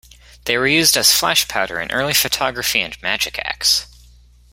They were used as flash powder in early photography and magic acts.